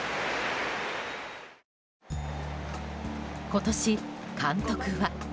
今年、監督は。